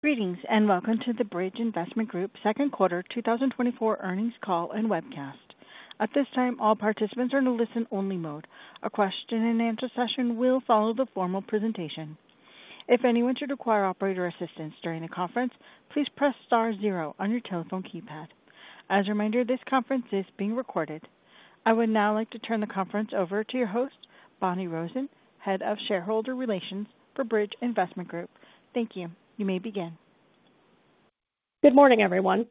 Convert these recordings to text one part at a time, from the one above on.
Greetings, and welcome to the Bridge Investment Group second quarter 2024 earnings call and webcast. At this time, all participants are in a listen-only mode. A question-and-answer session will follow the formal presentation. If anyone should require operator assistance during the conference, please press star zero on your telephone keypad. As a reminder, this conference is being recorded. I would now like to turn the conference over to your host, Bonni Rosen, Head of Shareholder Relations for Bridge Investment Group. Thank you. You may begin. Good morning, everyone.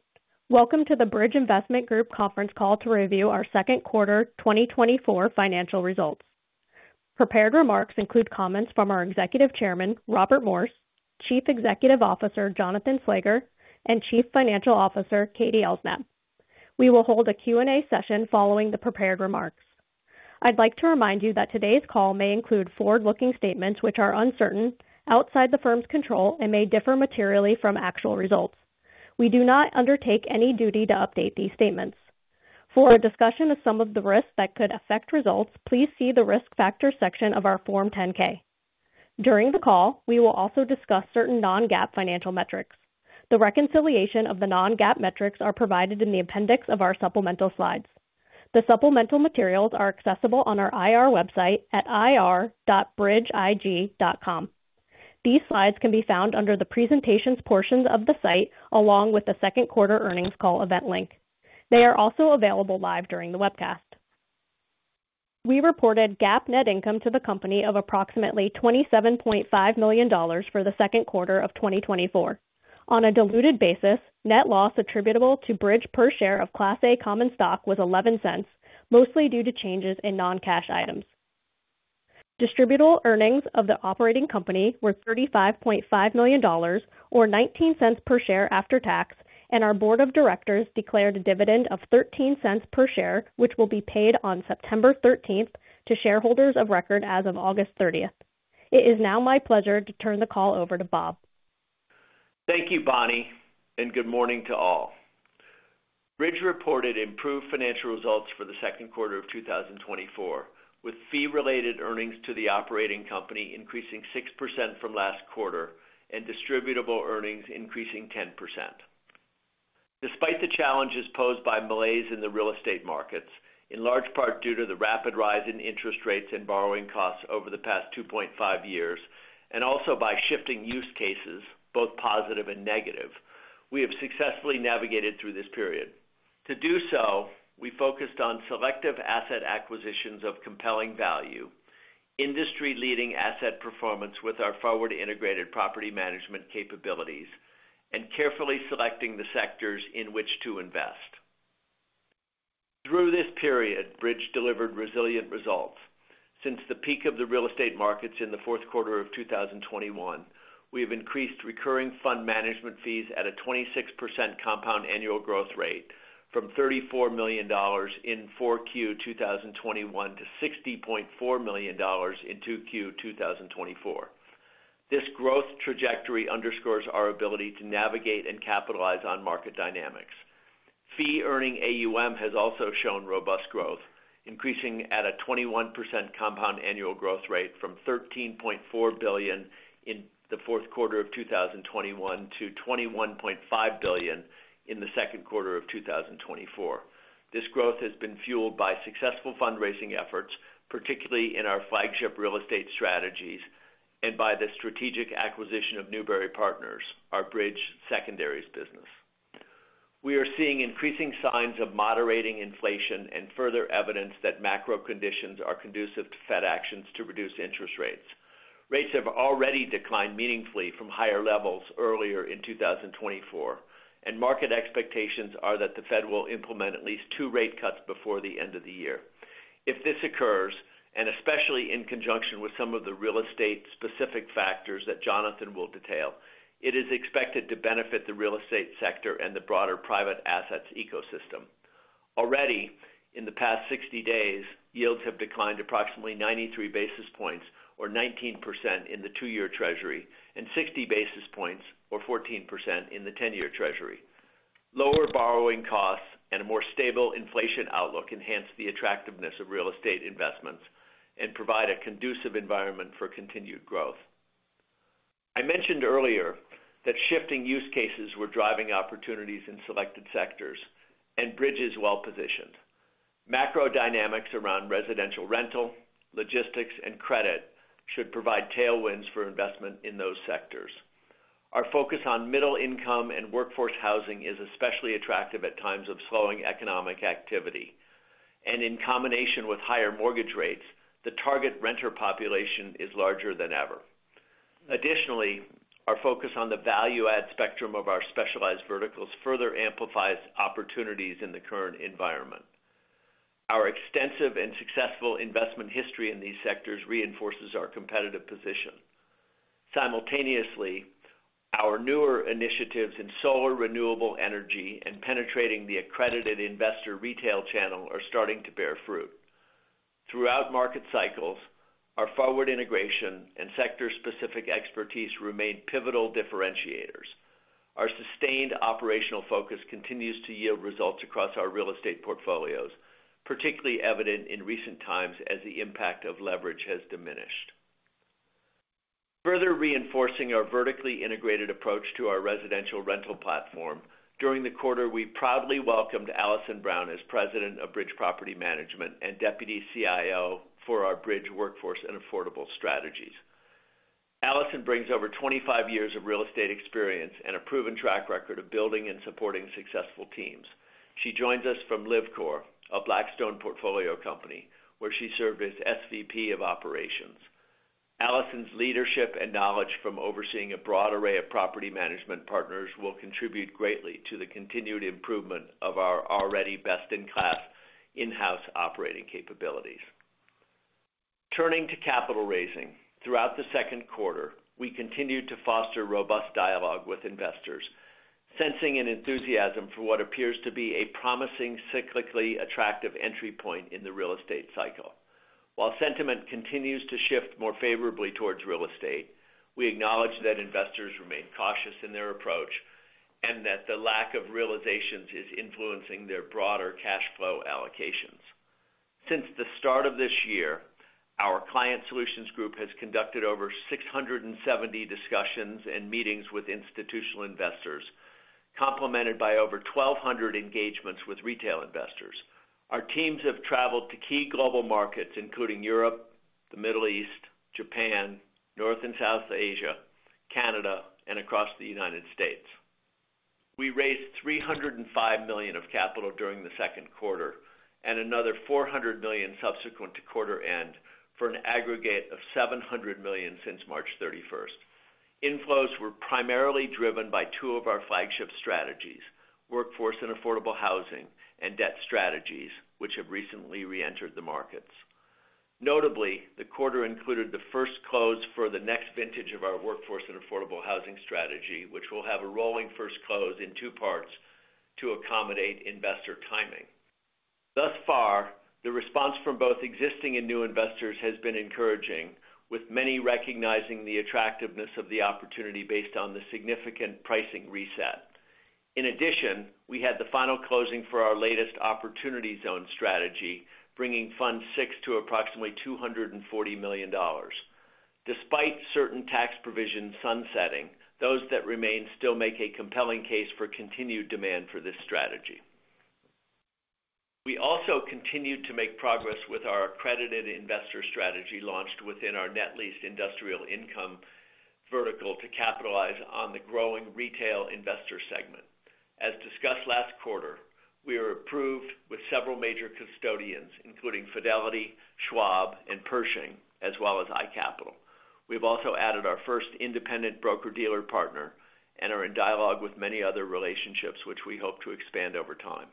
Welcome to the Bridge Investment Group conference call to review our second quarter 2024 financial results. Prepared remarks include comments from our Executive Chairman, Robert Morse, Chief Executive Officer, Jonathan Slager, and Chief Financial Officer, Katie Elsnab. We will hold a Q&A session following the prepared remarks. I'd like to remind you that today's call may include forward-looking statements which are uncertain, outside the firm's control, and may differ materially from actual results. We do not undertake any duty to update these statements. For a discussion of some of the risks that could affect results, please see the Risk Factors section of our Form 10-K. During the call, we will also discuss certain non-GAAP financial metrics. The reconciliation of the non-GAAP metrics are provided in the appendix of our supplemental slides. The supplemental materials are accessible on our IR website at ir.bridgeig.com. These slides can be found under the Presentations portion of the site, along with the second quarter earnings call event link. They are also available live during the webcast. We reported GAAP net income to the company of approximately $27.5 million for the second quarter of 2024. On a diluted basis, net loss attributable to Bridge per share of Class A common stock was $0.11, mostly due to changes in non-cash items. Distributable earnings of the operating company were $35.5 million, or $0.19 per share after tax, and our board of directors declared a dividend of $0.13 per share, which will be paid on September 13th to shareholders of record as of August 30th. It is now my pleasure to turn the call over to Bob. Thank you, Bonni, and good morning to all. Bridge reported improved financial results for the second quarter of 2024, with Fee-Related Earnings to the operating company increasing 6% from last quarter and Distributable Earnings increasing 10%. Despite the challenges posed by malaise in the real estate markets, in large part due to the rapid rise in interest rates and borrowing costs over the past 2.5 years, and also by shifting use cases, both positive and negative, we have successfully navigated through this period. To do so, we focused on selective asset acquisitions of compelling value, industry-leading asset performance with our forward integrated property management capabilities, and carefully selecting the sectors in which to invest. Through this period, Bridge delivered resilient results. Since the peak of the real estate markets in the fourth quarter of 2021, we have increased recurring fund management fees at a 26% compound annual growth rate, from $34 million in 4Q 2021 to $60.4 million in 2Q 2024. This growth trajectory underscores our ability to navigate and capitalize on market dynamics. Fee-Earning AUM has also shown robust growth, increasing at a 21% compound annual growth rate from $13.4 billion in the fourth quarter of 2021 to $21.5 billion in the second quarter of 2024. This growth has been fueled by successful fundraising efforts, particularly in our flagship real estate strategies and by the strategic acquisition of Newbury Partners, our Bridge Secondaries business. We are seeing increasing signs of moderating inflation and further evidence that macro conditions are conducive to Fed actions to reduce interest rates. Rates have already declined meaningfully from higher levels earlier in 2024, and market expectations are that the Fed will implement at least two rate cuts before the end of the year. If this occurs, and especially in conjunction with some of the real estate-specific factors that Jonathan will detail, it is expected to benefit the real estate sector and the broader private assets ecosystem. Already, in the past 60 days, yields have declined approximately 93 basis points, or 19% in the 2-year Treasury, and 60 basis points, or 14% in the 10-year Treasury. Lower borrowing costs and a more stable inflation outlook enhance the attractiveness of real estate investments and provide a conducive environment for continued growth. I mentioned earlier that shifting use cases were driving opportunities in selected sectors and Bridge is well-positioned. Macro dynamics around residential rental, logistics, and credit should provide tailwinds for investment in those sectors. Our focus on middle income and workforce housing is especially attractive at times of slowing economic activity, and in combination with higher mortgage rates, the target renter population is larger than ever. Additionally, our focus on the value add spectrum of our specialized verticals further amplifies opportunities in the current environment. Our extensive and successful investment history in these sectors reinforces our competitive position. Simultaneously, our newer initiatives in solar renewable energy and penetrating the accredited investor retail channel are starting to bear fruit. Throughout market cycles, our forward integration and sector-specific expertise remain pivotal differentiators. Sustained operational focus continues to yield results across our real estate portfolios, particularly evident in recent times as the impact of leverage has diminished. Further reinforcing our vertically integrated approach to our residential rental platform, during the quarter, we proudly welcomed Alison Brown as President of Bridge Property Management and Deputy CIO for our Bridge Workforce & Affordable Housing. Alison brings over 25 years of real estate experience and a proven track record of building and supporting successful teams. She joins us from LivCor, a Blackstone portfolio company, where she served as SVP of Operations. Alison's leadership and knowledge from overseeing a broad array of property management partners will contribute greatly to the continued improvement of our already best-in-class in-house operating capabilities. Turning to capital raising, throughout the second quarter, we continued to foster robust dialogue with investors, sensing an enthusiasm for what appears to be a promising, cyclically attractive entry point in the real estate cycle. While sentiment continues to shift more favorably towards real estate, we acknowledge that investors remain cautious in their approach, and that the lack of realizations is influencing their broader cash flow allocations. Since the start of this year, our Client Solutions Group has conducted over 670 discussions and meetings with institutional investors, complemented by over 1,200 engagements with retail investors. Our teams have traveled to key global markets, including Europe, the Middle East, Japan, North and South Asia, Canada, and across the United States. We raised $305 million of capital during the second quarter, and another $400 million subsequent to quarter end, for an aggregate of $700 million since March 31. Inflows were primarily driven by two of our flagship strategies, Workforce and Affordable Housing and Debt Strategies, which have recently reentered the markets. Notably, the quarter included the first close for the next vintage of our Workforce and Affordable Housing strategy, which will have a rolling first close in two parts to accommodate investor timing. Thus far, the response from both existing and new investors has been encouraging, with many recognizing the attractiveness of the opportunity based on the significant pricing reset. In addition, we had the final closing for our latest Opportunity Zone strategy, bringing Fund VI to approximately $240 million. Despite certain tax provisions sunsetting, those that remain still make a compelling case for continued demand for this strategy. We also continued to make progress with our accredited investor strategy, launched within our Net Leased Industrial Income vertical to capitalize on the growing retail investor segment. As discussed last quarter, we are approved with several major custodians, including Fidelity, Schwab, and Pershing, as well as iCapital. We've also added our first independent broker-dealer partner and are in dialogue with many other relationships, which we hope to expand over time.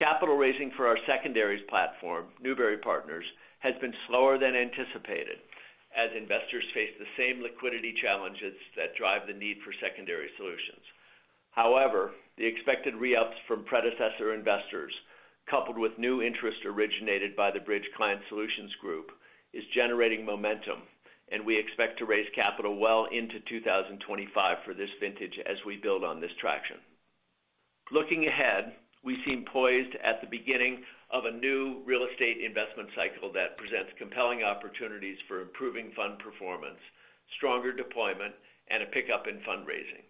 Capital raising for our secondaries platform, Newbury Partners, has been slower than anticipated as investors face the same liquidity challenges that drive the need for secondary solutions. However, the expected re-ups from predecessor investors, coupled with new interest originated by the Bridge Client Solutions Group, is generating momentum, and we expect to raise capital well into 2025 for this vintage as we build on this traction. Looking ahead, we seem poised at the beginning of a new real estate investment cycle that presents compelling opportunities for improving fund performance, stronger deployment, and a pickup in fundraising.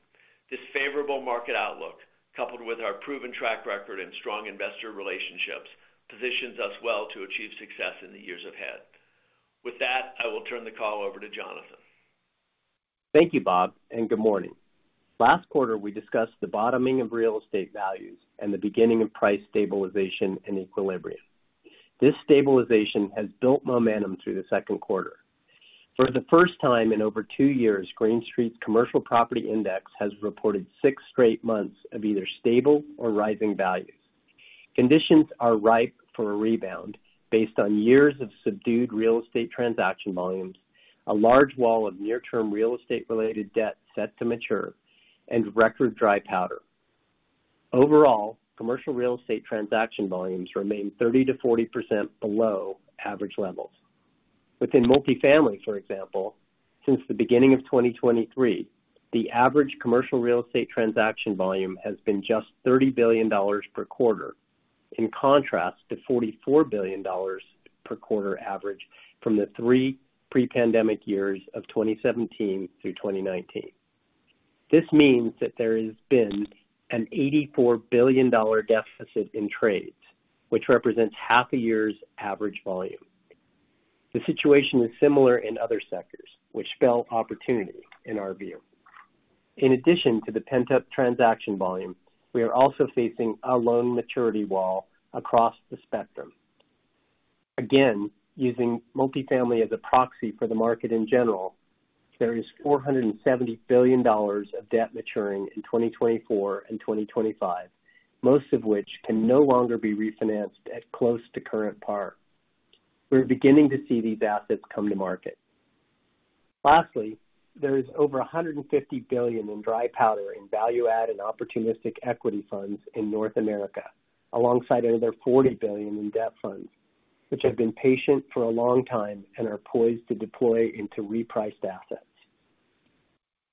This favorable market outlook, coupled with our proven track record and strong investor relationships, positions us well to achieve success in the years ahead. With that, I will turn the call over to Jonathan. Thank you, Bob, and good morning. Last quarter, we discussed the bottoming of real estate values and the beginning of price stabilization and equilibrium. This stabilization has built momentum through the second quarter. For the first time in over two years, Green Street's Commercial Property Index has reported six straight months of either stable or rising values. Conditions are ripe for a rebound based on years of subdued real estate transaction volumes, a large wall of near-term real estate-related debt set to mature, and record dry powder. Overall, commercial real estate transaction volumes remain 30%-40% below average levels. Within multifamily, for example, since the beginning of 2023, the average commercial real estate transaction volume has been just $30 billion per quarter, in contrast to $44 billion per quarter average from the three pre-pandemic years of 2017 through 2019. This means that there has been an $84 billion deficit in trades, which represents half a year's average volume. The situation is similar in other sectors, which spell opportunity in our view. In addition to the pent-up transaction volume, we are also facing a loan maturity wall across the spectrum. Again, using multifamily as a proxy for the market in general, there is $470 billion of debt maturing in 2024 and 2025, most of which can no longer be refinanced at close to current par. We're beginning to see these assets come to market. Lastly, there is over $150 billion in dry powder in value add and opportunistic equity funds in North America, alongside another $40 billion in debt funds, which have been patient for a long time and are poised to deploy into repriced assets.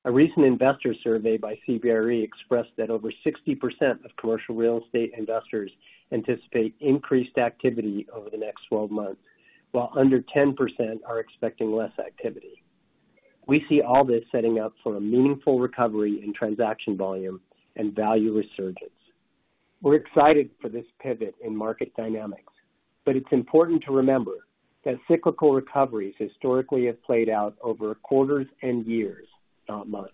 A recent investor survey by CBRE expressed that over 60% of commercial real estate investors anticipate increased activity over the next 12 months, while under 10% are expecting less activity. We see all this setting up for a meaningful recovery in transaction volume and value resurgence. We're excited for this pivot in market dynamics, but it's important to remember that cyclical recoveries historically have played out over quarters and years, not months.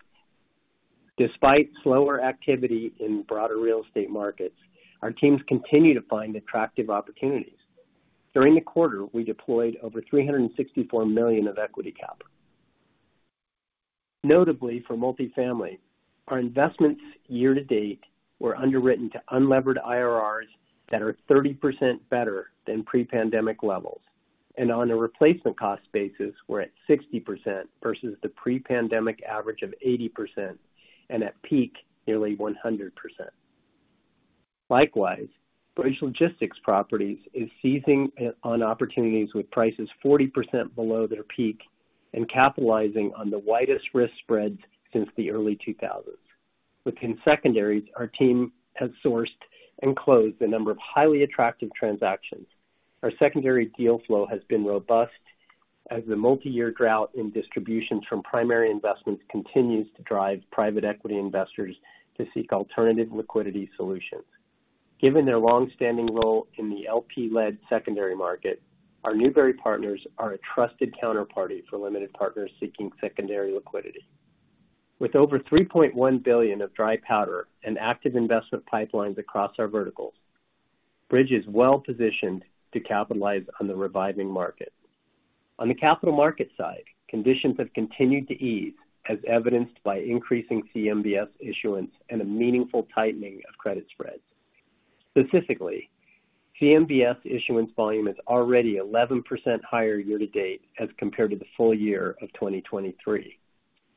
Despite slower activity in broader real estate markets, our teams continue to find attractive opportunities. During the quarter, we deployed over $364 million of equity capital. Notably for multifamily, our investments year to date were underwritten to unlevered IRRs that are 30% better than pre-pandemic levels, and on a replacement cost basis, we're at 60% versus the pre-pandemic average of 80%, and at peak, nearly 100%. Likewise, Bridge Logistics Properties is seizing on opportunities with prices 40% below their peak and capitalizing on the widest risk spreads since the early 2000s. Within secondaries, our team has sourced and closed a number of highly attractive transactions. Our secondary deal flow has been robust as the multi-year drought in distributions from primary investments continues to drive private equity investors to seek alternative liquidity solutions. Given their long-standing role in the LP-led secondary market, our Newbury partners are a trusted counterparty for limited partners seeking secondary liquidity. With over $3.1 billion of dry powder and active investment pipelines across our verticals, Bridge is well positioned to capitalize on the reviving market. On the capital market side, conditions have continued to ease, as evidenced by increasing CMBS issuance and a meaningful tightening of credit spreads. Specifically, CMBS issuance volume is already 11% higher year to date as compared to the full year of 2023,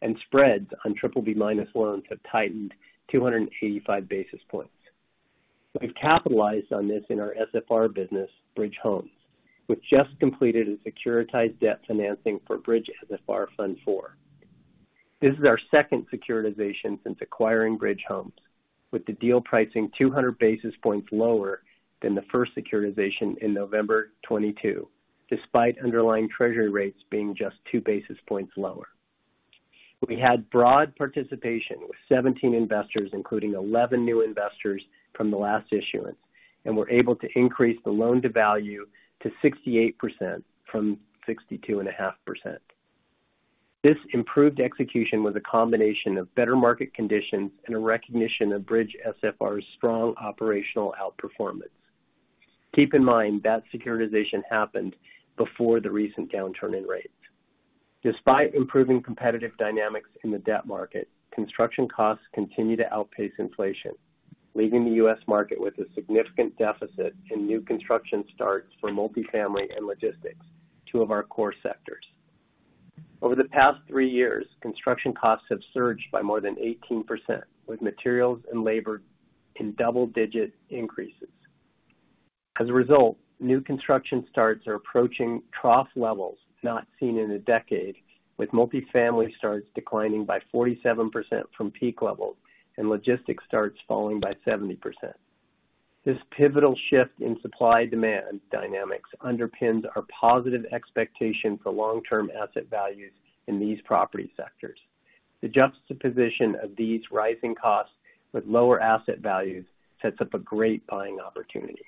and spreads on BBB- loans have tightened 285 basis points. We've capitalized on this in our SFR business, Bridge Homes, which just completed a securitized debt financing for Bridge SFR Fund IV. This is our second securitization since acquiring Bridge Homes, with the deal pricing 200 basis points lower than the first securitization in November 2022, despite underlying Treasury rates being just 2 basis points lower. We had broad participation with 17 investors, including 11 new investors from the last issuance, and were able to increase the loan-to-value to 68% from 62.5%. This improved execution was a combination of better market conditions and a recognition of Bridge SFR's strong operational outperformance. Keep in mind that securitization happened before the recent downturn in rates. Despite improving competitive dynamics in the debt market, construction costs continue to outpace inflation, leaving the U.S. market with a significant deficit in new construction starts for multifamily and logistics, two of our core sectors. Over the past three years, construction costs have surged by more than 18%, with materials and labor in double-digit increases. As a result, new construction starts are approaching trough levels not seen in a decade, with multifamily starts declining by 47% from peak levels and logistics starts falling by 70%. This pivotal shift in supply-demand dynamics underpins our positive expectation for long-term asset values in these property sectors. The juxtaposition of these rising costs with lower asset values sets up a great buying opportunity.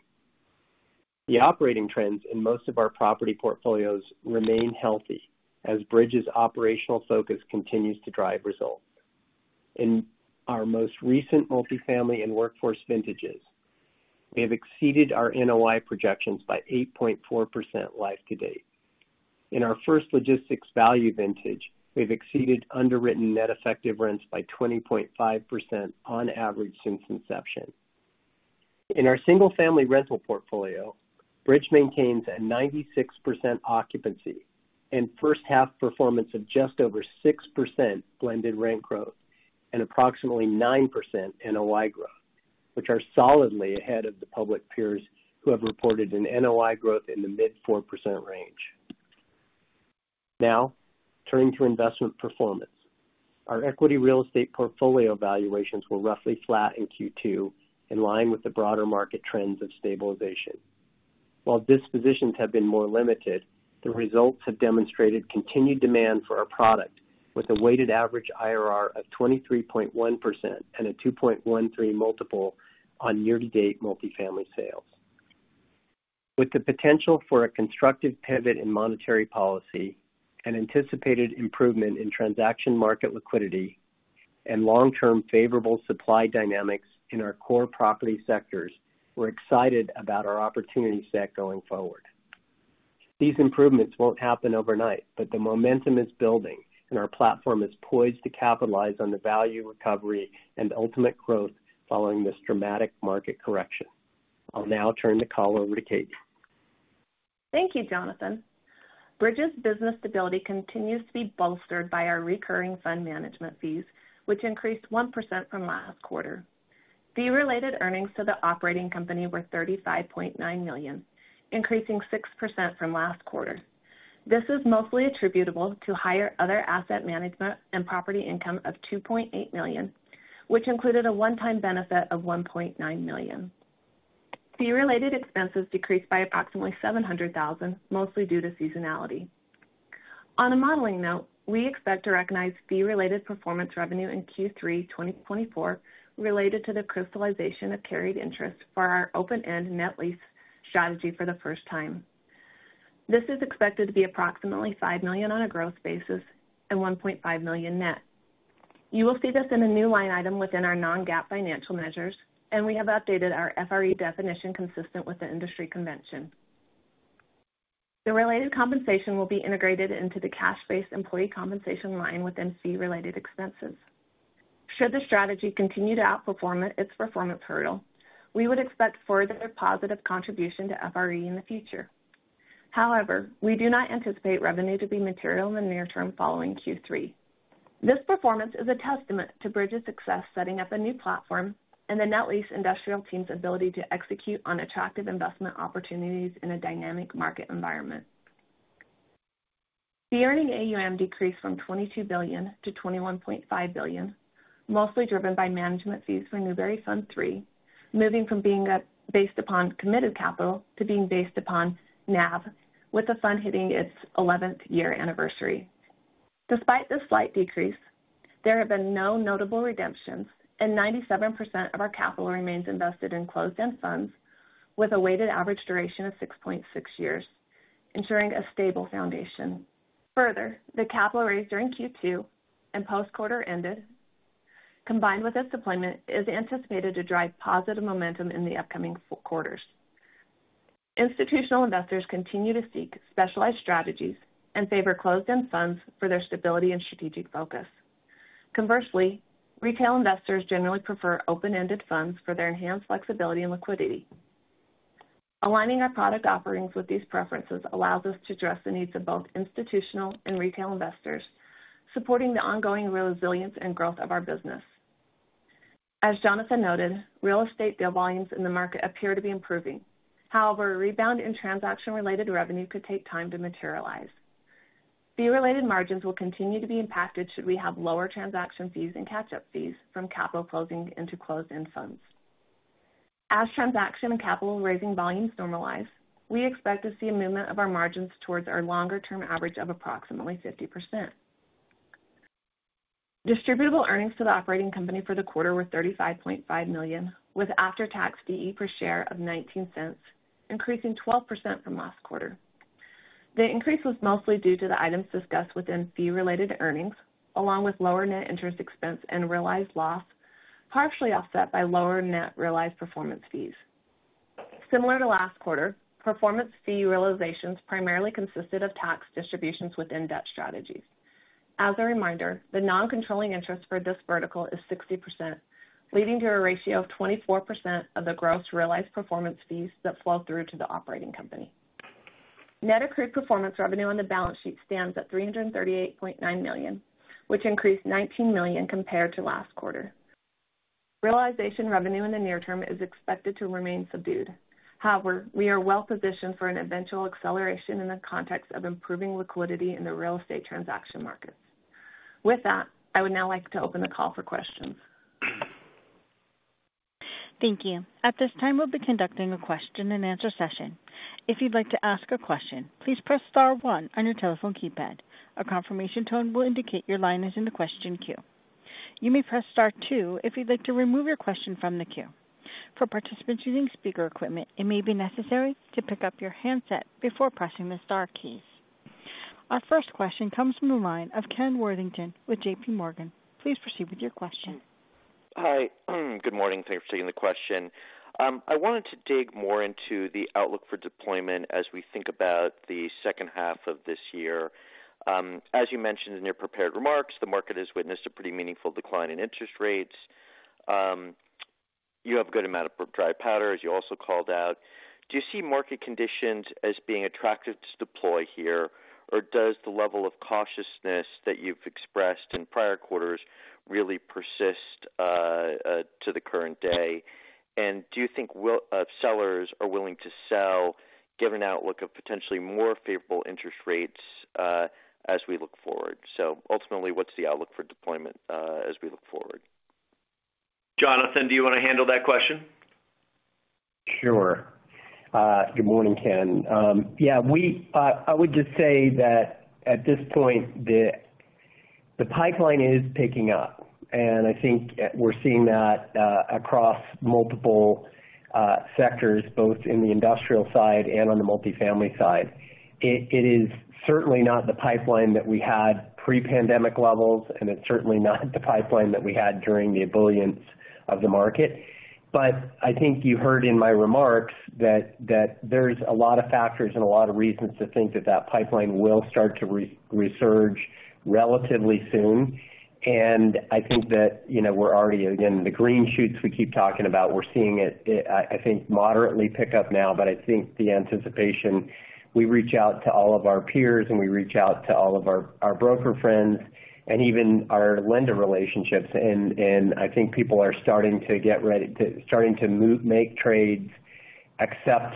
The operating trends in most of our property portfolios remain healthy as Bridge's operational focus continues to drive results. In our most recent multifamily and workforce vintages, we have exceeded our NOI projections by 8.4% year to date. In our first logistics value vintage, we've exceeded underwritten net effective rents by 20.5% on average since inception. In our single-family rental portfolio, Bridge maintains a 96% occupancy and first half performance of just over 6% blended rent growth and approximately 9% NOI growth, which are solidly ahead of the public peers who have reported an NOI growth in the mid-4% range. Now, turning to investment performance. Our equity real estate portfolio valuations were roughly flat in Q2, in line with the broader market trends of stabilization. While dispositions have been more limited, the results have demonstrated continued demand for our product, with a weighted average IRR of 23.1% and a 2.13x multiple on year-to-date multifamily sales. With the potential for a constructive pivot in monetary policy and anticipated improvement in transaction market liquidity and long-term favorable supply dynamics in our core property sectors, we're excited about our opportunity set going forward. These improvements won't happen overnight, but the momentum is building, and our platform is poised to capitalize on the value, recovery, and ultimate growth following this dramatic market correction. I'll now turn the call over to Katie. Thank you, Jonathan. Bridge's business stability continues to be bolstered by our recurring fund management fees, which increased 1% from last quarter. Fee-related earnings to the operating company were $35.9 million, increasing 6% from last quarter. This is mostly attributable to higher other asset management and property income of $2.8 million, which included a one-time benefit of $1.9 million. Fee-related expenses decreased by approximately $700,000, mostly due to seasonality. On a modeling note, we expect to recognize Fee-Related Performance Revenue in Q3 2024 related to the crystallization of carried interest for our open-end net lease strategy for the first time. This is expected to be approximately $5 million on a growth basis and $1.5 million net. You will see this in a new line item within our non-GAAP financial measures, and we have updated our FRE definition consistent with the industry convention. The related compensation will be integrated into the cash-based employee compensation line within Fee-Related Expenses. Should the strategy continue to outperform its performance hurdle, we would expect further positive contribution to FRE in the future. However, we do not anticipate revenue to be material in the near term following Q3. This performance is a testament to Bridge's success setting up a new platform and the net lease industrial team's ability to execute on attractive investment opportunities in a dynamic market environment. The Fee-Earning AUM decreased from $22 billion to $21.5 billion, mostly driven by management fees from Newbury Fund III, moving from being based upon committed capital to being based upon NAV, with the fund hitting its eleventh year anniversary. Despite this slight decrease, there have been no notable redemptions, and 97% of our capital remains invested in closed-end funds, with a weighted average duration of 6.6 years, ensuring a stable foundation. Further, the capital raised during Q2 and post-quarter ended, combined with this deployment, is anticipated to drive positive momentum in the upcoming few quarters. Institutional investors continue to seek specialized strategies and favor closed-end funds for their stability and strategic focus. Conversely, retail investors generally prefer open-ended funds for their enhanced flexibility and liquidity. Aligning our product offerings with these preferences allows us to address the needs of both institutional and retail investors, supporting the ongoing resilience and growth of our business. As Jonathan noted, real estate deal volumes in the market appear to be improving. However, a rebound in transaction-related revenue could take time to materialize. Fee-related margins will continue to be impacted should we have lower transaction fees and catch-up fees from capital closing into closed-end funds. As transaction and capital raising volumes normalize, we expect to see a movement of our margins towards our longer-term average of approximately 50%. Distributable earnings to the operating company for the quarter were $35.5 million, with after-tax DE per share of $0.19, increasing 12% from last quarter. The increase was mostly due to the items discussed within fee-related earnings, along with lower net interest expense and realized loss, partially offset by lower net realized performance fees. Similar to last quarter, performance fee realizations primarily consisted of tax distributions within debt strategies. As a reminder, the non-controlling interest for this vertical is 60%, leading to a ratio of 24% of the gross realized performance fees that flow through to the operating company. Net Accrued Performance Revenue on the balance sheet stands at $338.9 million, which increased $19 million compared to last quarter. Realization revenue in the near term is expected to remain subdued. However, we are well positioned for an eventual acceleration in the context of improving liquidity in the real estate transaction market. With that, I would now like to open the call for questions. Thank you. At this time, we'll be conducting a question-and-answer session. If you'd like to ask a question, please press star one on your telephone keypad. A confirmation tone will indicate your line is in the question queue. You may press star two if you'd like to remove your question from the queue. For participants using speaker equipment, it may be necessary to pick up your handset before pressing the star keys. Our first question comes from the line of Ken Worthington with JPMorgan. Please proceed with your question. Hi. Good morning. Thanks for taking the question. I wanted to dig more into the outlook for deployment as we think about the second half of this year. As you mentioned in your prepared remarks, the market has witnessed a pretty meaningful decline in interest rates. You have a good amount of dry powder, as you also called out. Do you see market conditions as being attractive to deploy here, or does the level of cautiousness that you've expressed in prior quarters really persist to the current day? And do you think sellers are willing to sell, given the outlook of potentially more favorable interest rates, as we look forward? So ultimately, what's the outlook for deployment, as we look forward? Jonathan, do you want to handle that question? Sure. Good morning, Ken. Yeah, I would just say that at this point, the pipeline is picking up, and I think we're seeing that across multiple sectors, both in the industrial side and on the multifamily side. It is certainly not the pipeline that we had pre-pandemic levels, and it's certainly not the pipeline that we had during the ebullience of the market. But I think you heard in my remarks that there's a lot of factors and a lot of reasons to think that that pipeline will start to resurge relatively soon. And I think that, you know, we're already, again, the green shoots we keep talking about, we're seeing it. I think moderately pick up now. But I think the anticipation, we reach out to all of our peers, and we reach out to all of our broker friends and even our lender relationships. And I think people are starting to get ready to move, make trades, accept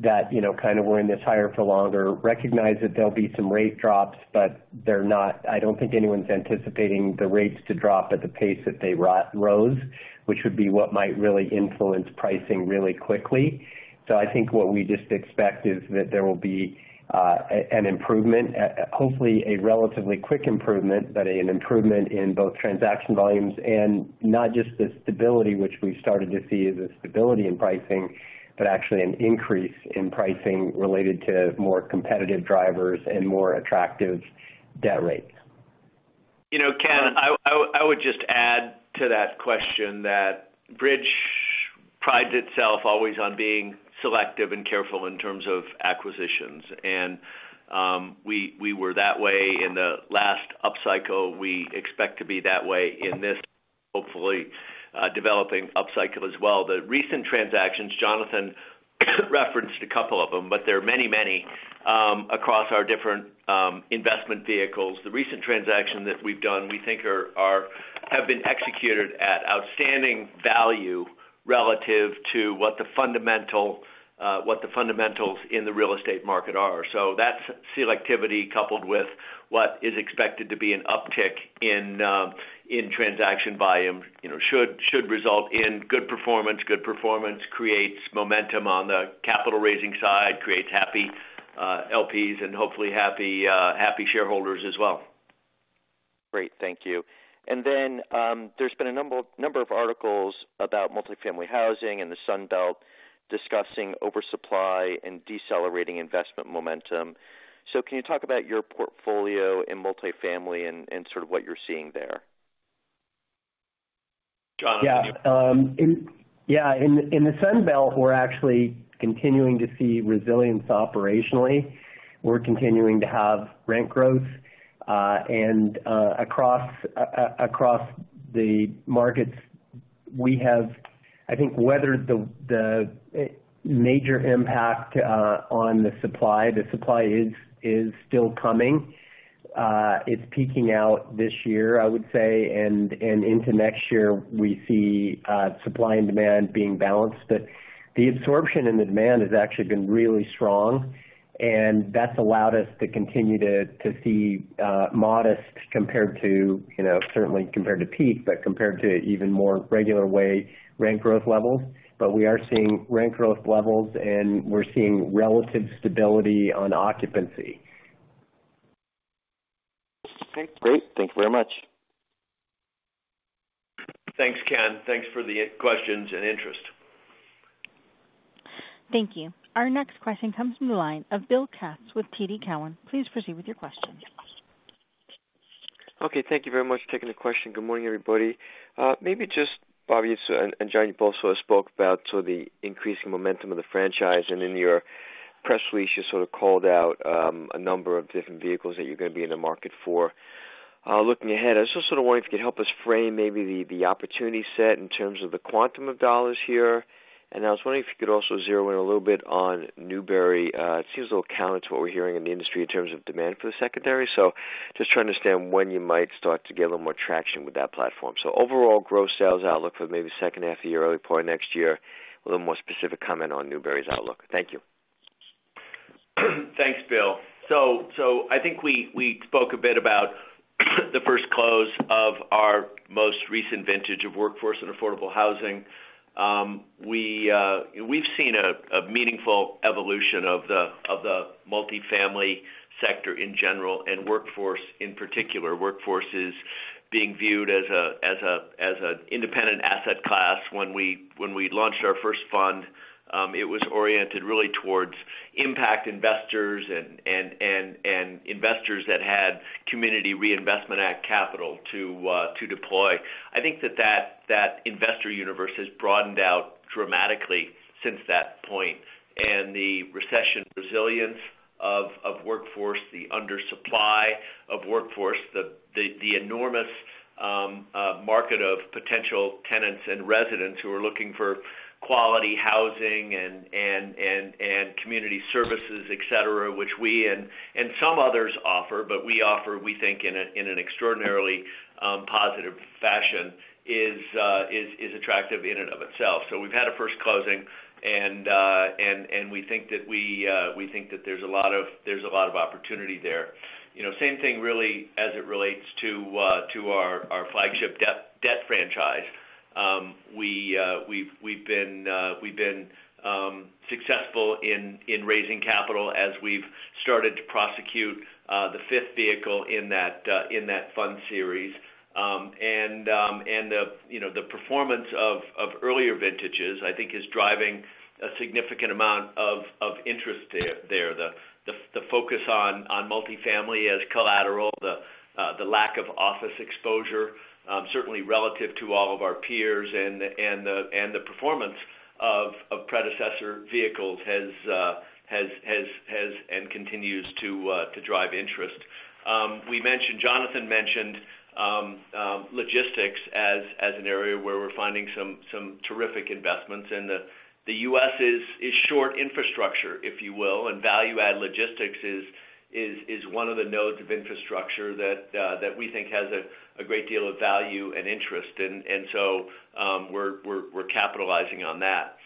that, you know, kind of we're in this higher for longer, recognize that there'll be some rate drops, but they're not. I don't think anyone's anticipating the rates to drop at the pace that they rose, which would be what might really influence pricing really quickly. I think what we just expect is that there will be an improvement, hopefully a relatively quick improvement, but an improvement in both transaction volumes and not just the stability which we've started to see as a stability in pricing, but actually an increase in pricing related to more competitive drivers and more attractive debt rates. You know, Ken, I would just add to that question that Bridge prides itself always on being selective and careful in terms of acquisitions. And, we, we were that way in the last upcycle. We expect to be that way in this, hopefully, developing upcycle as well. The recent transactions, Jonathan, referenced a couple of them, but there are many, many, across our different, investment vehicles. The recent transaction that we've done, we think are have been executed at outstanding value relative to what the fundamentals in the real estate market are. So that selectivity, coupled with what is expected to be an uptick in, in transaction volume, you know, should, should result in good performance. Good performance creates momentum on the capital raising side, creates happy LPs and hopefully happy shareholders as well. Great, thank you. Then, there's been a number of articles about multifamily housing in the Sun Belt, discussing oversupply and decelerating investment momentum. So can you talk about your portfolio in multifamily and sort of what you're seeing there? John, do you- Yeah. In the Sun Belt, we're actually continuing to see resilience operationally. We're continuing to have rent growth, and across the markets, we have, I think, weathered the major impact on the supply. The supply is still coming. It's peaking out this year, I would say, and into next year, we see supply and demand being balanced. But the absorption and the demand has actually been really strong, and that's allowed us to continue to see modest compared to, you know, certainly compared to peak, but compared to even more regular way rent growth levels. But we are seeing rent growth levels, and we're seeing relative stability on occupancy. Okay, great. Thank you very much. Thanks, Ken. Thanks for the questions and interest. Thank you. Our next question comes from the line of Bill Katz with TD Cowen. Please proceed with your question. Okay, thank you very much for taking the question. Good morning, everybody. Maybe just, Bob, so and John, you both sort of spoke about sort of the increasing momentum of the franchise, and in your press release, you sort of called out a number of different vehicles that you're gonna be in the market for. Looking ahead, I was just sort of wondering if you could help us frame maybe the opportunity set in terms of the quantum of dollars here. And I was wondering if you could also zero in a little bit on Newbury. It seems a little counter to what we're hearing in the industry in terms of demand for the secondary. So just trying to understand when you might start to get a little more traction with that platform. So, overall, gross sales outlook for maybe the second half of the year, early part of next year, a little more specific comment on Newbury's outlook? Thank you. Thanks, Bill. So I think we spoke a bit about the first close of our most recent vintage of workforce and affordable housing. We've seen a meaningful evolution of the multifamily sector in general, and workforce in particular. Workforce is being viewed as an independent asset class. When we launched our first fund, it was oriented really towards impact investors and investors that had Community Reinvestment Act capital to deploy. I think that investor universe has broadened out dramatically since that point. And the recession resilience of workforce, the undersupply of workforce, the enormous market of potential tenants and residents who are looking for quality housing and community services, et cetera, which we and some others offer, but we offer, we think, in an extraordinarily positive fashion, is attractive in and of itself. So we've had a first closing, and we think that there's a lot of opportunity there. You know, same thing really, as it relates to our flagship debt franchise. We've been successful in raising capital as we've started to prosecute the fifth vehicle in that fund series. And the, you know, the performance of earlier vintages, I think, is driving a significant amount of interest there. The focus on multifamily as collateral, the lack of office exposure, certainly relative to all of our peers and the performance of predecessor vehicles has and continues to drive interest. We mentioned—Jonathan mentioned, logistics as an area where we're finding some terrific investments, and the U.S. is short infrastructure, if you will, and value-add logistics is one of the nodes of infrastructure that we think has a great deal of value and interest. And so, we're capitalizing on that.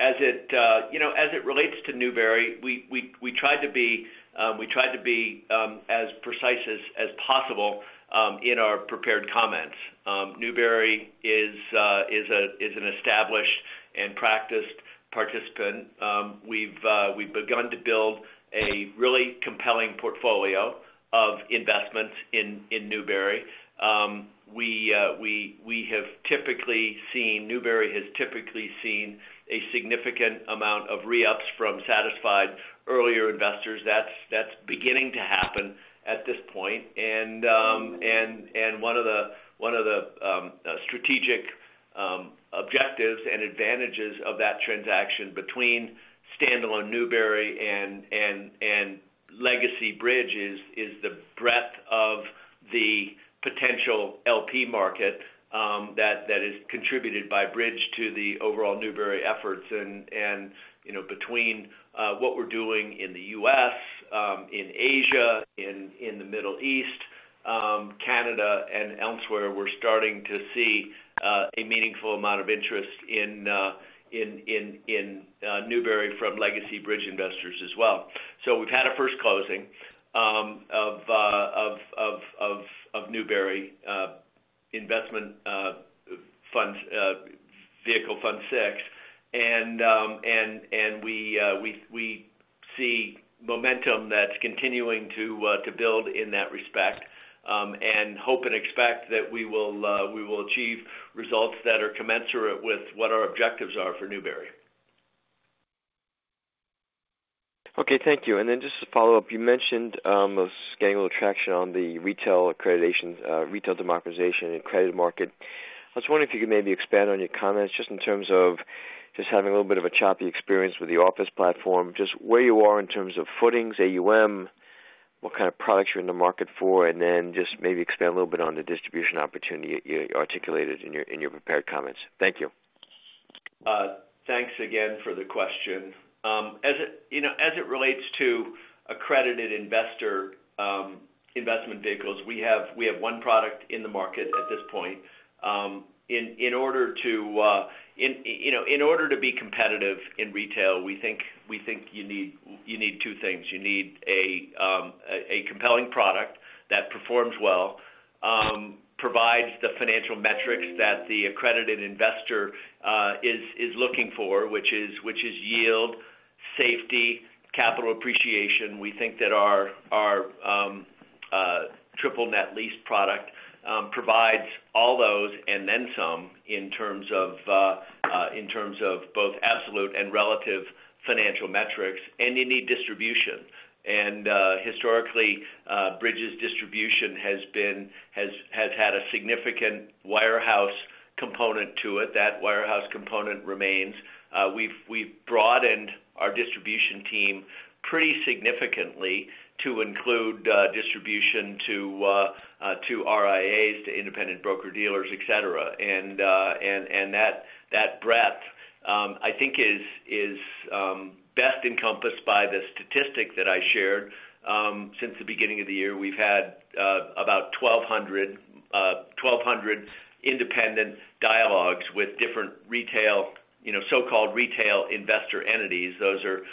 As it, you know, as it relates to Newbury, we tried to be as precise as possible in our prepared comments. Newbury is an established and practiced participant. We've begun to build a really compelling portfolio of investments in Newbury. Newbury has typically seen a significant amount of re-ups from satisfied earlier investors. That's beginning to happen at this point. One of the strategic objectives and advantages of that transaction between standalone Newbury and Legacy Bridge is the breadth of the potential LP market that is contributed by Bridge to the overall Newbury efforts. You know, between what we're doing in the U.S., in Asia, in the Middle East, Canada, and elsewhere, we're starting to see a meaningful amount of interest in Newbury from legacy Bridge investors as well. So we've had a first closing of Newbury Fund VI. We see momentum that's continuing to build in that respect, and hope and expect that we will achieve results that are commensurate with what our objectives are for Newbury. Okay, thank you. And then just to follow up, you mentioned a scalable traction on the retail accreditation, retail democratization and credit market. I was wondering if you could maybe expand on your comments, just in terms of just having a little bit of a choppy experience with the office platform, just where you are in terms of footings, AUM, what kind of products you're in the market for, and then just maybe expand a little bit on the distribution opportunity you articulated in your, in your prepared comments. Thank you. Thanks again for the question. You know, as it relates to accredited investor investment vehicles, we have, we have one product in the market at this point. You know, in order to be competitive in retail, we think, we think you need, you need two things. You need a compelling product that performs well, provides the financial metrics that the accredited investor is, is looking for, which is, which is yield, safety, capital appreciation. We think that our, our triple net lease product provides all those and then some in terms of, in terms of both absolute and relative financial metrics, and you need distribution. Historically, Bridge's distribution has had a significant wirehouse component to it. That wirehouse component remains. We've broadened our distribution team pretty significantly to include distribution to RIAs, to independent broker-dealers, et cetera. And that breadth, I think, is best encompassed by the statistic that I shared. Since the beginning of the year, we've had about 1,200 independent dialogues with different retail, you know, so-called retail investor entities. Those are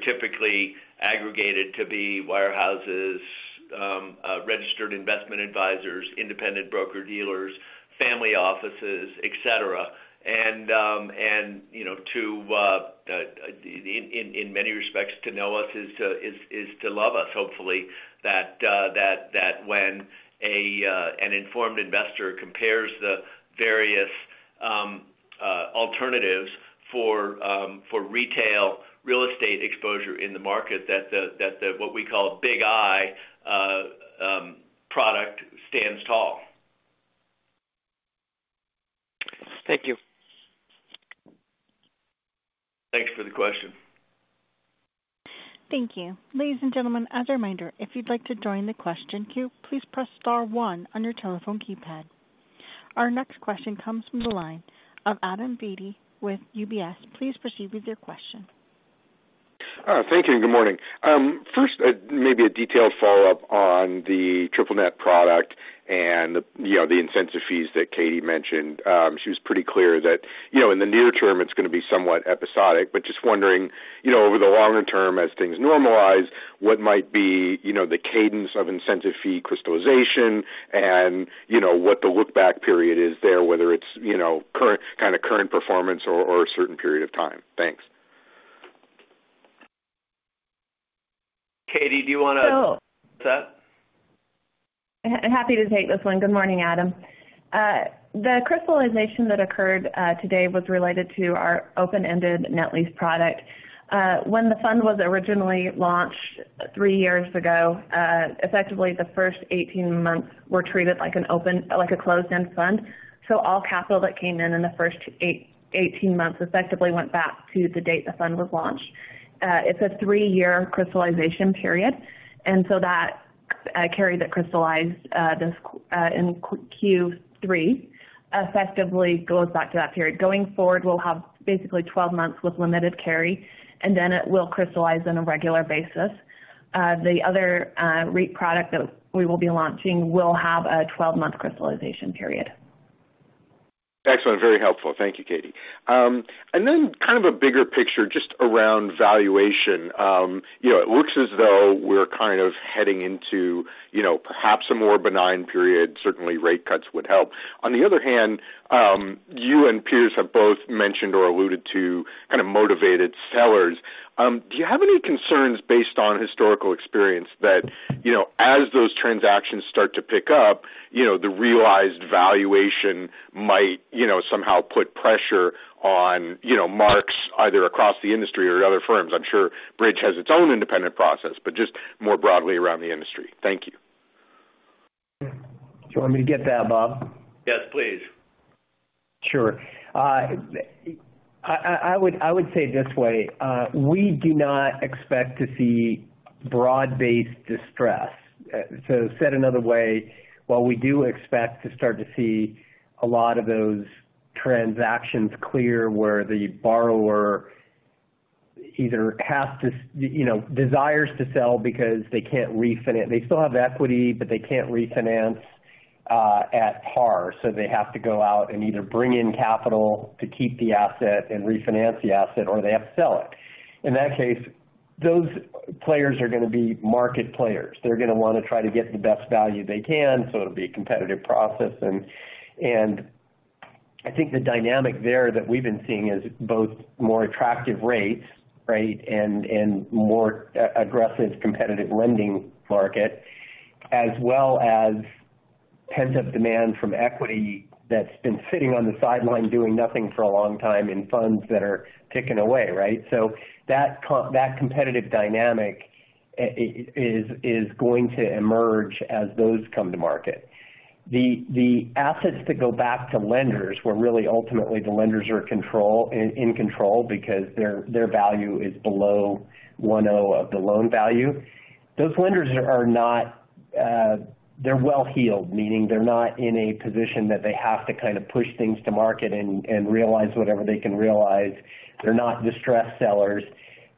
typically aggregated to be wirehouses, registered investment advisors, independent broker-dealers, family offices, et cetera. You know, in many respects, to know us is to love us, hopefully, that when an informed investor compares the various alternatives for retail real estate exposure in the market, that the what we call BIG I product stands tall. Thank you. Thanks for the question. Thank you. Ladies and gentlemen, as a reminder, if you'd like to join the question queue, please press star one on your telephone keypad. Our next question comes from the line of Adam Beatty with UBS. Please proceed with your question. Thank you, and good morning. First, maybe a detailed follow-up on the triple net product and, you know, the incentive fees that Katie mentioned. She was pretty clear that, you know, in the near term, it's gonna be somewhat episodic. But just wondering, you know, over the longer term, as things normalize, what might be, you know, the cadence of incentive fee crystallization, and, you know, what the look back period is there, whether it's, you know, current- kind of current performance or, or a certain period of time? Thanks. Katie, do you wanna set? Happy to take this one. Good morning, Adam. The crystallization that occurred today was related to our open-ended net lease product. When the fund was originally launched 3 years ago, effectively, the first 18 months were treated like an open- like a closed-end fund. So all capital that came in in the first 18 months effectively went back to the date the fund was launched. It's a 3-year crystallization period, and so that carry that crystallized this in Q3, effectively goes back to that period. Going forward, we'll have basically 12 months with limited carry, and then it will crystallize on a regular basis. The other REIT product that we will be launching will have a 12-month crystallization period. Excellent. Very helpful. Thank you, Katie. Then kind of a bigger picture just around valuation. You know, it looks as though we're kind of heading into, you know, perhaps a more benign period. Certainly, rate cuts would help. On the other hand, you and Pierce have both mentioned or alluded to kind of motivated sellers. Do you have any concerns based on historical experience that, you know, as those transactions start to pick up, you know, the realized valuation might, you know, somehow put pressure on, you know, marks either across the industry or at other firms? I'm sure Bridge has its own independent process, but just more broadly around the industry. Thank you. Do you want me to get that, Bob? Yes, please. Sure. I would say it this way: We do not expect to see broad-based distress. So said another way, while we do expect to start to see a lot of those transactions clear, where the borrower either has to—you know—desires to sell because they can't refinance—they still have equity, but they can't refinance at par, so they have to go out and either bring in capital to keep the asset and refinance the asset, or they have to sell it. In that case, those players are gonna be market players. They're gonna wanna try to get the best value they can, so it'll be a competitive process. I think the dynamic there that we've been seeing is both more attractive rates, right, and more aggressive competitive lending market, as well as pent-up demand from equity that's been sitting on the sideline doing nothing for a long time in funds that are ticking away, right? So that competitive dynamic is going to emerge as those come to market. The assets that go back to lenders, where really ultimately the lenders are in control because their value is below 1.0 of the loan value, those lenders are not... They're well-heeled, meaning they're not in a position that they have to kind of push things to market and realize whatever they can realize. They're not distressed sellers.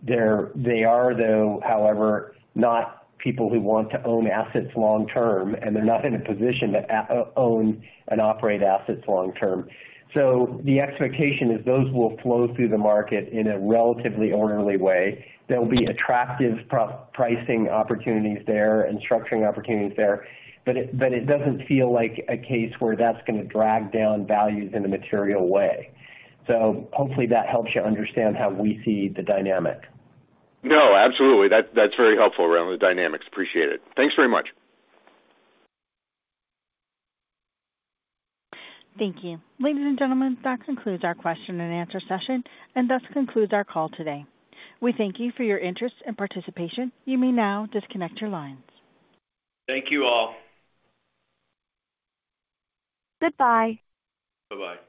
They are, though, however, not people who want to own assets long term, and they're not in a position to own and operate assets long term. So the expectation is those will flow through the market in a relatively orderly way. There will be attractive pricing opportunities there and structuring opportunities there, but it doesn't feel like a case where that's gonna drag down values in a material way. So hopefully that helps you understand how we see the dynamic. No, absolutely. That's, that's very helpful around the dynamics. Appreciate it. Thanks very much. Thank you. Ladies and gentlemen, that concludes our question and answer session and thus concludes our call today. We thank you for your interest and participation. You may now disconnect your lines. Thank you all. Goodbye. Bye-bye.